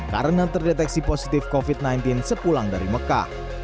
karena terdeteksi positif covid sembilan belas sepulang dari meka